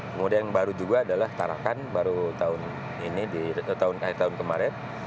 kemudian yang baru juga adalah tarakan baru tahun ini tahun kemarin